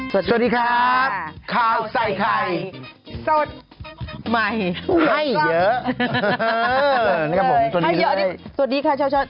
สวัสดีครับข้าวใส่ไข่สดใหม่เยอะนี่ครับผมสวัสดีครับช้าวช้าว